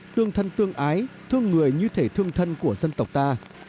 tương thân tương ái thương người như thể thương thân của dân tộc ta